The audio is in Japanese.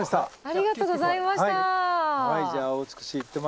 ありがとうございます。